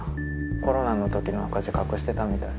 コロナのときの赤字隠してたみたい。